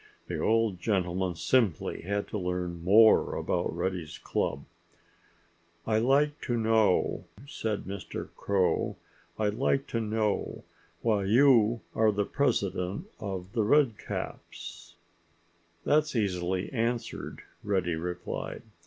The old gentleman simply had to learn more about Reddy's club. "I'd like to knew—" said Mr. Crow—"I'd like to know why you are the president of The Redcaps." "That's easily answered," Reddy replied.